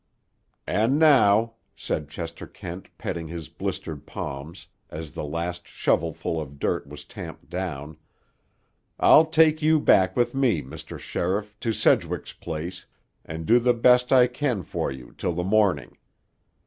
"And now," said Chester Kent, petting his blistered palms, as the last shovelful of dirt was tamped down, "I'll take you back with me, Mr. Sheriff, to Sedgwick's place, and do the best I can for you till the morning.